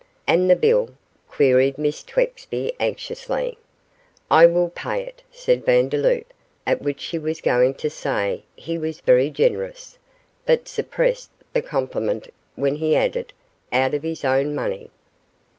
'And the bill?' queried Miss Twexby, anxiously. 'I will pay it,' said Vandeloup, at which she was going to say he was very generous, but suppressed the compliment when he added, 'out of his own money.